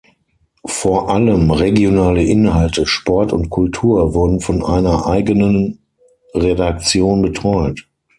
Vor allem regionale Inhalte, Sport und Kultur wurden von einer eigenen Redaktion betreut.